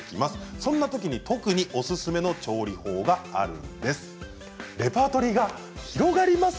そんなときに特におすすめの調理法があります。